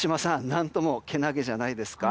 何ともけなげじゃないですか。